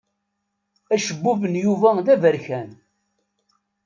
Acebbub n Yuba d aberkan.